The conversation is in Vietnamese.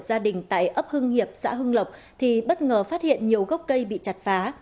gia đình tại ấp hưng hiệp xã hưng lộc thì bất ngờ phát hiện nhiều gốc cây bị chặt phá